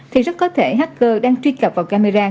thì rất có thể hg đang truy cập vào camera